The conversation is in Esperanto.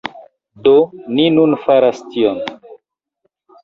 Do, ni nun faras tion